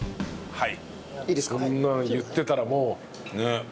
はい。